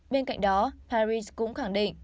bên cạnh đó paris cũng khẳng định